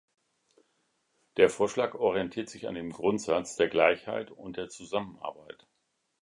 Der Vorschlag orientiert sich an dem Grundsatz der Gleichheit und der Zusammenarbeit.